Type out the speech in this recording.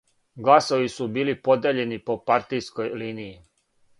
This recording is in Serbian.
Гласови су били подељени по партијској линији.